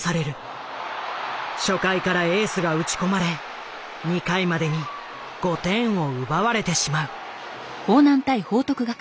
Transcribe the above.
初回からエースが打ち込まれ２回までに５点を奪われてしまう。